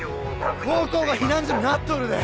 高校が避難所になっとるで！